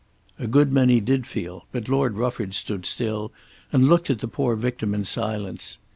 A good many did feel, but Lord Rufford stood still and looked at the poor victim in silence.